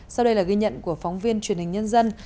sau đây là ghi nhận của phóng viên truyền hình nhân dân